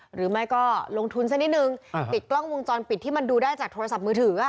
หรือไม่ก็ลงทุนซะนิดนึงติดกล้องวงจรปิดที่มันดูได้จากโทรศัพท์มือถือ